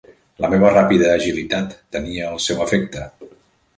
La meva ràpida agilitat tenia el seu efecte.